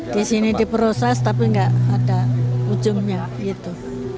di sini diproses tapi nggak ada ujungnya gitu